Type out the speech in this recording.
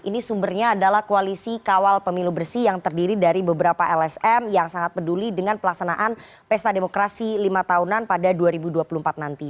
ini sumbernya adalah koalisi kawal pemilu bersih yang terdiri dari beberapa lsm yang sangat peduli dengan pelaksanaan pesta demokrasi lima tahunan pada dua ribu dua puluh empat nanti